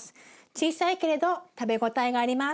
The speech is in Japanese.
小さいけれど食べ応えがあります。